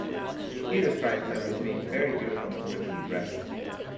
He describes them as being very beautiful and richly dressed.